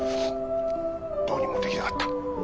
どうにもできなかった。